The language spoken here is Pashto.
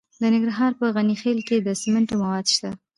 د ننګرهار په غني خیل کې د سمنټو مواد شته.